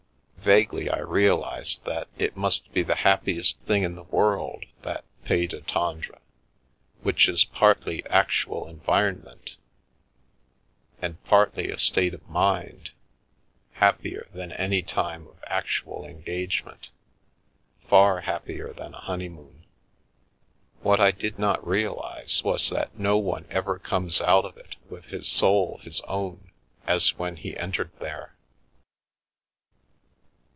Vaguely I realised that it must be the happiest thing in the world, that Pays du Tendre, which is partly actual environment and partly a state of mind; happier than any time of actual en gagement, far happier than a honeymoon. What I did not realise was that no one ever comes out of it with his soul his own as when he entered there.